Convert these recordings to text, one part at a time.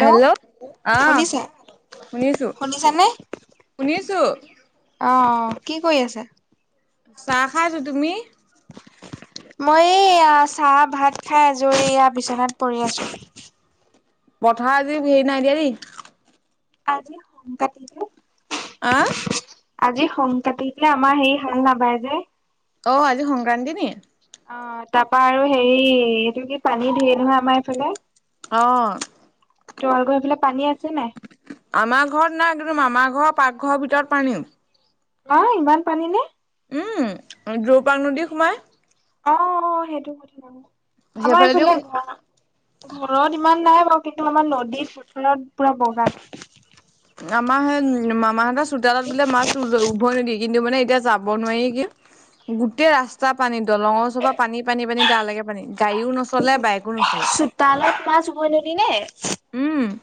Hello অহ শুনিছে শুনিছো শুনিছানে শুনিছো। অ অ কি কৰি আছা? চাহ খাইছো, তুমি? মই এইয়া চাহ, ভাত খাই আছো, এইয়া বিচনাত পৰি আছো। পথাৰ আজি হেৰি নাই দিয়া দেই। আজি কাটিছে আহ আজি সক্ৰান্তি যে আমাৰ হেৰি হাল নাবায় যে। অ আজি সংক্ৰান্তি নি? অ'! তাৰপা আৰু সেই, এইটো কি, পানী ঢেৰ নহয়, আমাৰ এইফালে! অ'! তোমালোকৰ সেইফালে, পানী আছে নাই? আমাৰ ঘৰত নাই। কিন্তু, মামা ঘৰ পাকঘৰৰ ভিতৰত পানী। অ'! ইমান পানী নে? উম, [unintelligible] নদী সোমাই। অ'! সেইটো কথা। আমাৰ সেইফালেদি এইফালে, হোৱা ঘৰত ইমান নাই বাৰু। কিন্তু, আমাৰ নদী পথাৰত পূৰা বগা। আমাৰ সেই, মামাহঁতৰ চোতালত বোলে, মাছ তোৰ, উভয় নদী। কিন্তু মানে, এতিয়া যাব নোৱাৰিগে। গোটেই ৰাস্তা পানী। দলঙৰ ওচৰপা পানী-পানী- পানী, তালৈকে পানী। গাড়ীও ন চোতালত মাছ উভয় নদী নে? উম!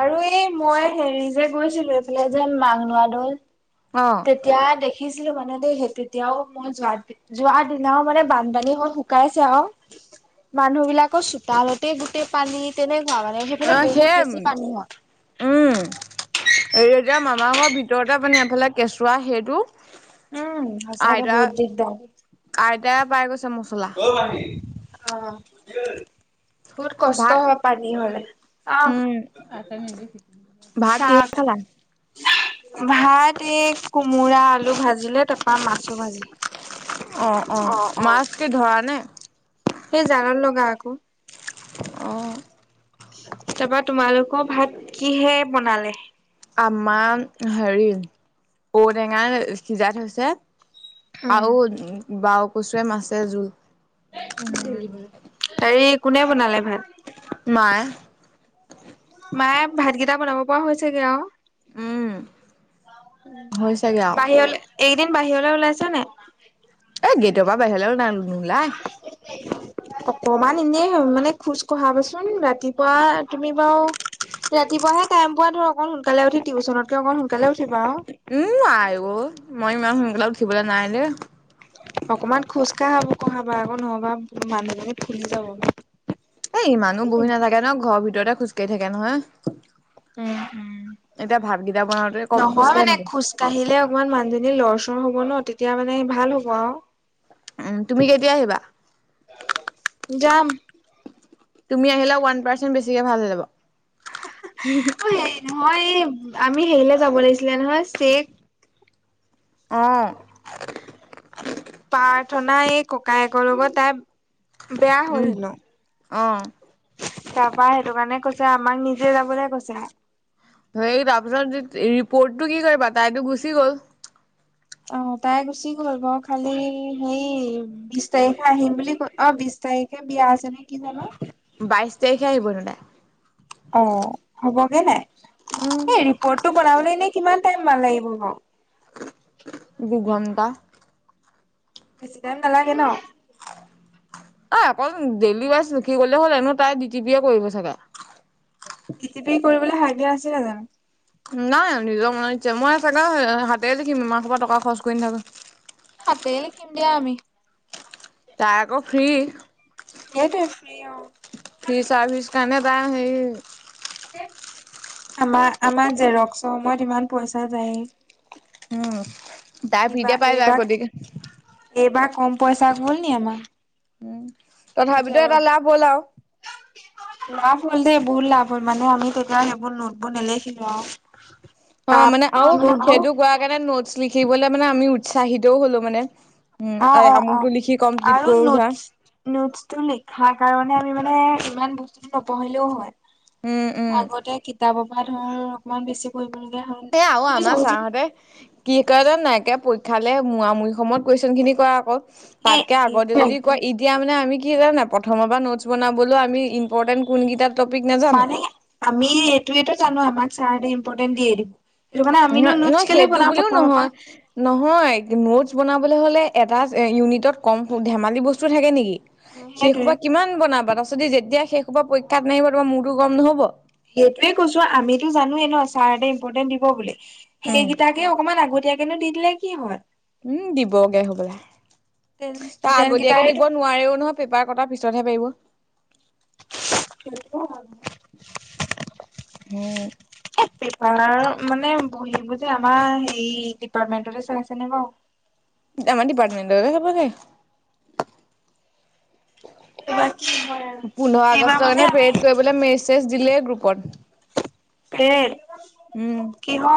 আৰু এই, মই সেৰি যে গৈছিলোঁ। এইফালে যেন, মাঘনোৱা দল। অ'! দিয়া দেখিছিলোঁ মানে, দেই, সেই তেতিয়াও। মই যোৱাতে যোৱাৰ দিনাও মানে, বানপানী হৈ শুকাইছে আৰু। মানুহ বিলাকৰ চোতালতে গোটেই পানী! তেনেকোৱা মানে। অ সেইফালে, বহুত সেই বেছি পানী হয়। উম [unintelligible] এই এতিয়া, মামাৰ ঘৰৰ ভিতৰতে পানী। এফালে, কেঁচুৱা সেইটো। উম, সঁচাকে আইতা বহুত দিগদাৰ! আইতাই পাই গৈছে, মছলা। ঐ মাহী? অ'! কি হ'ল? বহুত কষ্ট ভাত হয়, পানী হ'লে! অ'! উম ভাত কিহে খালা? ভাত এই, কোমোৰা-আলু ভাজিলে, তাৰপা মাছো ভাজিলে। অ'! অ'! মাছ কি ধৰা নাই? সেই জালত লগা আকৌ। অ'! তাৰাপা, তোমালোক ভাত কিহে বনালে? আমাৰ সেৰি, ঔ-টেঙাই সিজাই থৈছে। উম, আও [unintelligible] কচুৱে, মাছে জোল। সেৰি, কোনে বনালে ভাত? মায়ে। মায়ে ভাতকেইটা বনাব পৰা হৈছেগে আও? উম হৈছেগে আও [inaudible] বাহিৰলে, এইকেইদিন বাহিৰলে ওলাইছে নাই? এই, গেটৰ পৰা বাহিৰলে নাই, নোলাই। [unintelligible] অকমান এনেই মানে, খোজ কঢ়াবচোন? ৰাতিপুৱা তুমি বাৰু ৰাতিপুৱাহে টাইম পোৱা ধৰ, অকণ। সোনকালে উঠি, টিউচনতকে অকণ সোনকালে উঠিবা আও। উম, আইঅ'! মই ইমান সোনকালে উঠিবলৈ নাই দেই। অকমান খোজকাঢ়াব, কঢ়াবা আকৌ নহ'বা, মানুহজনী ফূলি যাব। এ, ইমানো উম, বহি নাথাকে নহয়, ঘৰৰ ভিতৰতে খোজকাঢ়ি থাকে নহয়। উম। এতিয়া, ভাতকেইটা বনাওঁতে, কম নহয় খোজ কাঢ়ে মানে নেকি। খোজ কাঢ়িলে অকমান, মানুহজনী লৰ-চৰ হ'ব ন'! তেতিয়া মানে, ভাল হ'ব আৰু। উম তুমি কেতিয়া আহিবা যাম তুমি আহিলে ওৱান পাৰ্চেন্ট বেছিকে ভাল হৈ অ যাব হেৰি নহয় এ আমি হেৰিলে যাব লাগিছিলে নহয় চেক অ প্ৰাৰ্থনা এই ককায়েকৰ লগত তাই বেয়া হ'ল উম, হেনো অ'। তাৰপৰা সেইটো কাৰণে কৈছে আমাক নিজে যাবলৈ কৈছে সেই তাৰপিছত ৰিপৰ্টটো কি কৰিবা তাইতো গুচি গ'ল অ তাই গুচি গল বাও খালি সেই বিশ তাৰিখে আহিম বুলি কৈ অ বিশ তাৰিখে বিয়া আছে নে কি জানো বাইশ তাৰিখে আহিব হেনো তাই অ হ'বগে নাই, এই ৰিপৰ্টটো বনাবলৈ এনেই কিমান টাইম মান লাগিব বাও দুঘণ্টা বেছি টাইম নালাগে ন এ অকল ডেইলি ৱাইজ লিখি গ'লে হ'ল এনেও তাই ডি টি পি এ কৰিব চাগে? ডি টি পি কৰিবলৈ আইডিয়া আছিল নে জানো? নাই নিজৰ মনত ইচ্ছা, মই চাগে হাতে দেখিম ইমান সোপা টকা খৰচ কৰি নাথাকো। হাতে লিখিম দিয়া আমি। তাই আকৌ ফ্ৰী। সেইটোৱে ফ্ৰী আৰু। ফ্ৰী চাৰ্ভিচ কাৰণে তাই সেই আমাৰ আমাৰ জেৰক্সৰ সময়ত ইমান পইচা যায়। উম। তাই কিবা ফ্ৰীতে পাই যায় এইবাৰ গতিকে, এইবাৰ কম পইচা গ'লনি আমাৰ। উম তথাপিতো এটা লাভ জেৰক্স হ'ল আও [inaudible] লাভ হ'ল দেই বহুত লাভ হ'ল মানে আমি তেতিয়া সেইবোৰ নোটবোৰ নেলেখিলো অ অ মানে আও সেইটো কোৱা কাৰণে নোটছ লিখিবলৈ মানে আমি উৎসাহিতো হলো মানে। উম অ ঐ অ আমোকটো লিখি কমপ্লিট কৰো ধৰা নোটচটো লিখাৰ কাৰণে আমি মানে ইমান বস্তুটো নপঢ়িলেও উম উম হয়। আগতে কিতাপৰ পৰা ধৰ অকমান বেছি পঢ়িবলগীয়া হল, তুমি চাবাচোন ৱে কি কৰে নাইকিয়ে পৰীক্ষালে মূৰামূৰি সময়ত কুৱেচনখিনি কৰা অকল। এ তাতকে আগতে সেইটো যদি কোৱা, একদম ঈদ তেতিয়া মানে আমি কি কৰোঁ নাই, প্ৰথমৰ পৰা নোটছ বনাবলো আমি ইম্পৰ্টেণ্ট কোনকেইটাত মানে আমি এইটোৱেটো জানো আমাক ছাৰ হতে ইম্পৰ্টেণ্ট দিয়ে দি সেইটো কাৰণে ন আমিনো নহয় নোটচ কেলে সেইটো বনাম বুলিও প্ৰথমৰ নহয় পা নহয় নোটছ বনাবলৈ হ'লে এটা ইউনিটত কম ধেমালি বস্তু থাকে নেকি? সেইটোয়ে। সেইসোপা কিমান বনাবা তাৰপিছত যেতিয়া সেইসোপা পৰীক্ষাত নাহিব তোমাৰ মোৰতো গম নহ'ব? সেইটোয়ে কৈছো আমিতো জানোৱে ন ছাৰহতে ইম্পৰ্টেণ্ট দিব বুলি। উম সেইকেইটাকে অকমান আগতীয়াকেনো দি দিলে কি হয়? উম দিবগে হ'বলা, তাৰ ষ্টুডেন্ট আগতীয়াকে কেইটাইটো দিব নোৱাৰেও নহয়। পেপাৰ কটা পিছতহে পাৰিব। [unintelligible] সেই পেপাৰ মানে বহীবোৰ যে আমাৰ হেৰি ডিপাৰ্টমেন্টতে চাইছে নে বাও? আমাৰ ডিপাৰ্টমেনটৰ। [unintelligible] [unintelligible] কি হয় আৰু, এইবাৰ মানে আমি বুলে মেছেজ দিলেই গ্ৰুপত। [unintelligible] কিহৰ?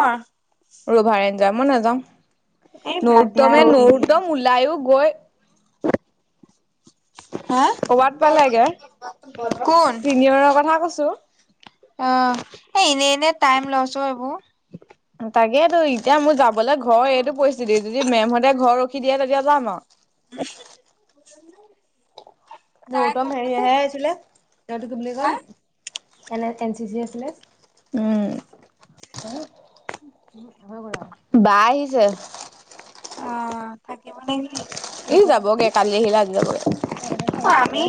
ৰভাইন যায় মই নাযাওঁ, এই বাদ দিয়া আকৌ এনেই এনেই [unintelligible] ওলাইয়ো গৈ হা ক'ৰবাত পালেগে? কোন? চিনিয়ৰৰ কথা কৈছো। আ, এ, এনে এনে টাইম লছ অ এইবোৰ। তাকেইতো, এতিয়া মোৰ যাবলৈ ঘৰৰ এইটো পৰিস্থিতি, যদি মেমহতে ঘৰ ৰখি দিয়ে তেতিয়া যাম আৰু। [unintelligible] তাই [unintelligible] ক'ব হেৰি হে চাগে, আছিলে, সেইটো কি বুলি হা? কয়? এনে এন চি চি আছিলে। উম। বা আহিছে। অ, থাকিব নেকি? ই, যাবগে, কালি আহিলে, আজি যাবগে। অ', আমি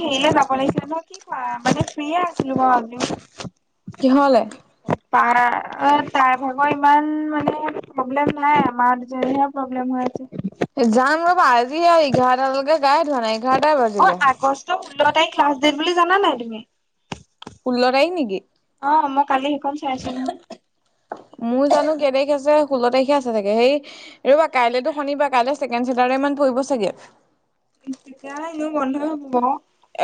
[unintelligible] কি কোৱা, মানে ফ্ৰিয়ে আছিলো বাৰু আজি। কিহ'লে? তাৰা তাই ভাগৰ ইমান মানে প্ৰব্লেম নাই, আমাৰ দুজনীৰহে প্ৰব্লেম হৈ আছে। যাম ৰ'বা! আজি আৰু এঘাৰটালৈকে গায়ে ধোৱা নাই। এঘাৰটাই অ, বাজিলে। আগষ্টৰ ষোল্ল তাৰিখ লাষ্ট ডেট বুলি জানা নাই তুমি? ষোল্ল তাৰিখ নেকি? অ, মই কালি সেইখন চাইছো নহয়। মোৰ জানো কেই তাৰিখ আছে, ষোল্ল তাৰিখে আছে চাগে। হেই ৰ'বা, কাইলেতো শনিবাৰ, কাইলে ছেকেণ্ড চেটাৰদে মান পৰিব চাগে। তেতিয়াহ'লে এনেও বন্ধয়ে হ'ব।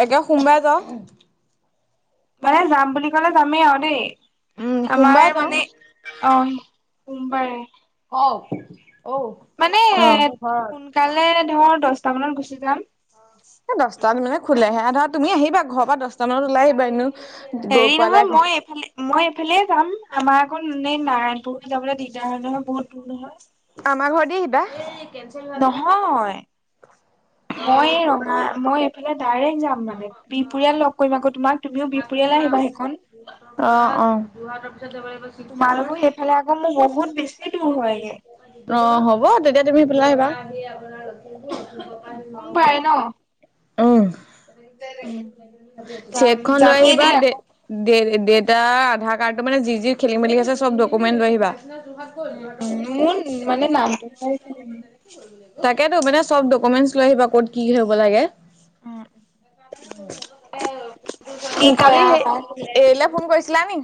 একে সোমবাৰে যাওঁ। মানে যাম বুলি ক'লে যামেই আৰু দেই। উম আমাৰে সোমবাৰে যাওঁ, মানে অ, সোমবাৰে। অ, অঔ। মানে সোনকালে ধৰ দছটা মানত গুচি যাম। দছটাত মানে খোলেহে ধৰা, তুমি আহিবা, ঘৰৰ পৰা দছটা মানত ওলাই আহিবা, এনেও গৈ হেৰি পোৱালে নহয় মই এইফালে মই এইফালে যাম। আমাৰ আকৌ এনে নাৰায়ণপুৰ দি যাবলৈ দিগদাৰ হয় নহয়, বহুত দূৰ হয়। আমাৰ ঘৰদি আহিবা। নহয়, মই ৰঙা, মই এইফালে ডাইৰেক্ট যাম। মানে বিহপুৰীয়াত লগ কৰিম আকৌ তোমাক। তুমিও বিহপুৰীয়ালৈ আহিবা সেইকন। যোৰহাটৰ পিছত যাব লাগিব শিৱসাগৰ, আকৌ মোৰ শিৱসাগৰ বহুত যাব বেছি দূৰ হয়গে তিনিচুকীয়া [unintelligible] অ, হ'ব তেতিয়া তুমি সেইফালে আহিবা। [unintelligible] সোমবাৰে ন! অঁ। [unintelligible] যাম চেকখন লৈ যামেই আহিবা, দেই দে আকৌ দে-দেতাৰ আধাৰ কাৰ্ডটো মানে, যি যি খেলি-মেলি আছে চব ডকুমেণ্ট লৈ আহিবা। উম, উম, মোৰ মানে নামটোহে [unintelligible] তাকেতো মানে চব ডকুমেণ্টচ লৈ আহিবা ক'ত কি হব লাগে। কি [unintelligible] কয় কালি আৰু সেই। তাত এইলে ফোন কৰিছিলা নেকি?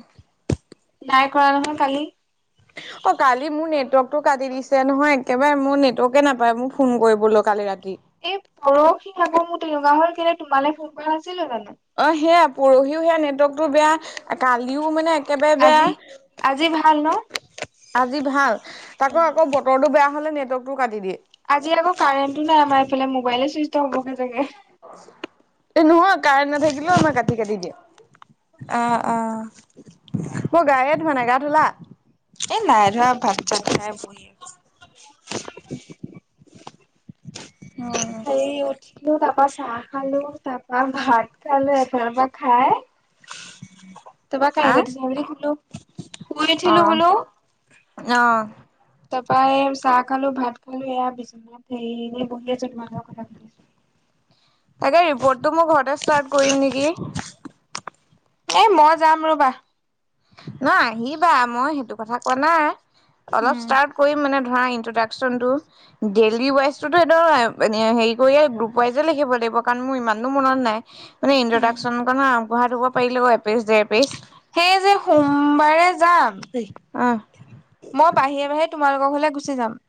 নাই কৰা নহয় কালি। অ কালি মোৰ নেটৱৰ্কতটো কাটি দিছে নহয় একেবাৰে। মোৰ নেটৱৰ্কে নাপায় মোক ফোন কৰিবলৈ কালি ৰাতি। এই পৰহি আকৌ মোৰ তেনেকোৱা হল, কেলে তোমালৈ ফোন কৰা নাছিলো জানো। অ সেয়া পৰহিও সেয়া নেটৱৰ্কতটো বেয়া, কালিও মানে একেবাৰে বেয়া আজি আজি ভাল ন? আজি ভাল। তাকৌ আকৌ বতৰটো বেয়া হলে নেটৱৰ্কতটো কাটি দিয়ে। আজি আকৌ কাৰেণ্টো নাই আমাৰ এইফালে মোবাইলে চুইচ অফ হ'বগে চাগে। এ নহয় কাৰেন্ট নাথাকিলেও আমাৰ কাটি কাটি দিয়ে। আহ আহ। মই গায়ে ধোৱা নাই, গা ধোলা? এই নাই ধোৱা ভাত চাত খাই বহি আছো। অ হেই উঠিলো, তাৰ পৰা চাহ খালো, তাৰপাৰা ভাত খালো এফালৰ পৰা খাই। তাৰপৰা কাহি আহ বাতি চাহি বাতি ধুলো। শুই অ উঠিলো বোলো অ তাৰপৰা এ চাহ খালো, ভাত খালো, এয়া বিচনাত হেৰি এনেই বহি আছো তোমাৰ লগত কথা পাতি আছো। [unintelligible] তাকে ৰিপৰ্টটো মই ঘৰতে ষ্টাৰ্ট কৰিম নেকি। এই মই যাম ৰ'বা। ন আহিবা মই সেইটো কথা কোৱা নাই। অলপ উম ষ্টাৰ্ট কৰিম মানে ধৰা ইন্ট্ৰডাকচনটো। ডেইলি ৱাইজোতো এ হেৰি কৰি গ্ৰুপ ৱাইজে লিখিব লাগিব কাৰণ মোৰ ইমানো মনত নাই মানে উম ইণ্ট্ৰডাকশ্যন আগবঢ়াই দিব পাৰিলে এক পেজ ডেৰ পেজ সেই যে সোমবাৰে যাম অঁ মই বাহিৰে বাহিৰে তোমালোকৰ ঘৰলে গুচি যাম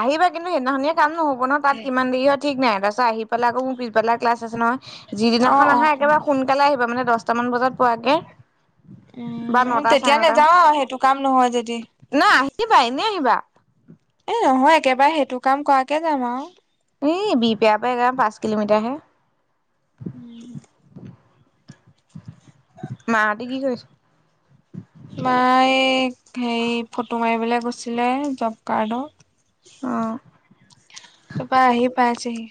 আহিবা কিন্তু সেইদিনা খনয়ে কাম নহ'ব ন তাত কিমান দেৰি হয় ঠিক নাই তাৰপিছত আহি পেলাই আকৌ মোৰ পিছবেলা ক্লাছ আছে নহয় অ যিদিনাখন অ অ আহা একেবাৰে সোনকালে আহিবা মানে দহ দহটামান বজাত পোৱাকে বা উম নটা তেতিয়া নেযাও আৰু সেইটো কাম নহয় যদি না আহিবা এনেই আহিবা এ নহয় একেবাৰে সেইটো কাম কৰাকে যাম আৰু এই বি বেয়া পাই কাৰণ পাঁচ কিলোমিটাৰহে উম [inaudible] মাহঁতে কি কৰিছে মায়ে হেৰি ফটো মাৰিবলে গৈছিলে জব কাৰ্ডৰ অ পাপাই আহি পাইছে সি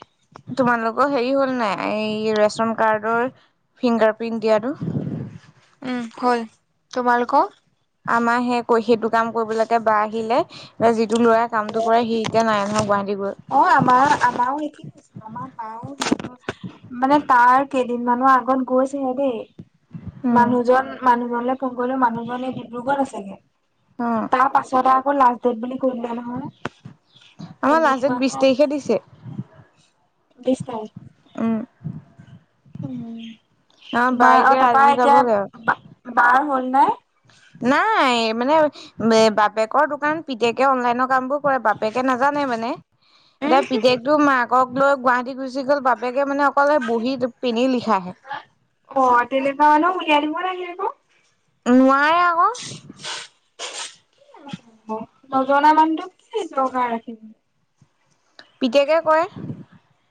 তোমালোকৰ হেৰি হ'ল নাই এই ৰেচন কাৰ্ডৰ ফিংগাৰ প্ৰিণ্ট দিয়াটো উম হল তোমালোকৰ আমাৰ সে ক সেইটো কাম কৰিবলৈকে বা আহিলে যিটো ল'ৰা কামটো কৰে সি এতিয়া নাই নহয় গুৱাহাটী গল। অঁ আমাৰ আমাৰো হে কি আমাৰ পাই মানে তাৰ কেইদিনমানানৰ আগত গৈছেহে দেই। উম, মানুহজন মানুহজনলৈ ফোন কৰিলেও মানুহজনী ৰোগত আছেগে, অ', তাৰ পাছতে আকৌ লাষ্ট ডেট বুলি কৈ দিলে নহয়। আমাৰ লাষ্টত ডেত কেনেকুৱাকে বিশ তাৰিখে দিছে। বিছ মাইল। উম। উম, অ', বা মা আৰু এতিয়া পাপাৰ আজি এতিয়া যাবগে আৰু বাৰ হ'ল নাই? নাই মানে বাপেকৰ দোকান পিতেকে অনলাইনৰ কামবোৰ কৰে বাপেকে নাজানে মানে, এতিয়া পিতেকটো মা ক লৈ গুৱাহাটী গুচি গ'ল, বাপেকে মানে অকলে বহী পিন্ধি লিখা আহে। অঁ তেনেকুৱা মানুহ উলিয়ায় দিব লাগে আক। নোৱাৰে আও। [unintelligible] নজনা মানুহটোক কি দৰকাৰ ৰাখিম। পিতেকে কয়।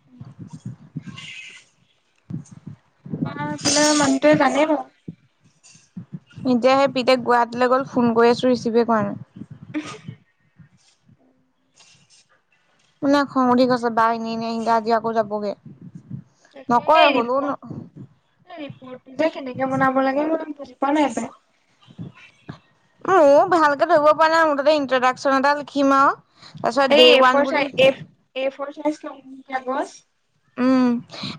[unintelligible] তোমাৰে মানুহটোৱে জানে বাও। এতিয়া সেই পিতেক গুৱাহাটীলৈ গ'ল, ফোন কৰি আছো ৰিচিভে কৰা নাই। মোৰ খং উঠি গৈছে, বাই এনেই আহিলে আজি আকৌ যাবগে নকৰে হলো। এই ৰিপুৰটো যে কেনেকে বনাব লাগে মই বুজি পোৱা নাই হপাই। মোৰ ভালকে ধৰিব পৰা নাই মুঠতে ইন্ট্ৰডাকচন এটা লিখিম আও। তাৰপিছত এই ডে এ ফ ওৱান বুলি চাই এ ফৰ চাইজৰ লম কাগজ। উম,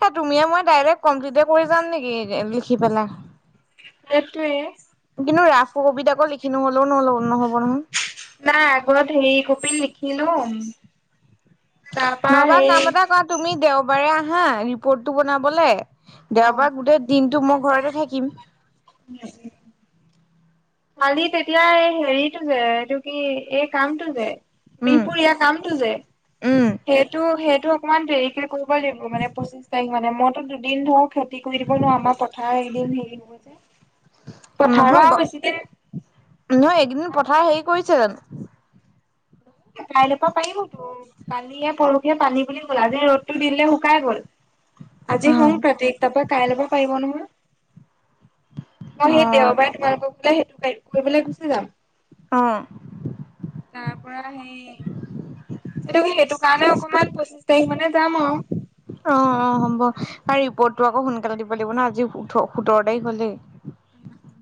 এ তুমিয়ে মই ডাইৰেক্ট কমপ্লিতে কৰি যাম নেকি লিখি পেলাই। সেইটোৱে। কিন্তু ৰাস কবিতাকো লিখি নললেও ন নহ'ব ন। নাই আগৰত হেৰি কপিত লিখিলো। নহবা কাম এটা কৰা, তুমি দেওবাৰে আহা ৰিপৰ্টটো বনাবলে। অ দেওবাৰ গোটেই দিনটো মই ঘৰতে থাকিম। [unintelligible] কালি তেতিয়া এই হেৰিতটো যে এইটো কি এই কামটো যে, উম বিহপুৰীয়া কামটো যে, উম। সেইটো সেইটো অকণমান দেৰিকে কৰিব লাগিব মানে পচি বিশ তাৰিখ মানে মইতো দুদিন ধৰ খেতি কৰি দিব নোৱাৰো, আমাৰ পথাৰ এদিন হেৰি হ'ব যে। পথাৰৰ নহয় আৰু বেছি দিন নহয় এইকেইদিন পথাৰ হেৰি কৰিছে। কাইলৈ পা পাৰিব তো। কালীয়ে পৰখিয়ে পানী বুলি গ'ল আজি ৰ'দতটো দিলে শুকাই গ'ল। আজি উম হং কাতিক তাপা কাইলৈ ল'ব পাৰিব নহয় অ মই সেই দেওবাৰে তোমালোক বোলে সেইটো কৰিবলৈ গুচি যাম। অঁ। তাৰ পৰা সেই সেই সেইটো কাৰণে অকমান পঁচিশ তাৰিখ মানে যাম আও। অঁ অঁ, হ'ব আৰু ৰিপৰ্টটো আকৌ সোনকালে দিব লাগিব ন, আজি উঠ সোতৰ তাৰিখ হলেই। উম উম।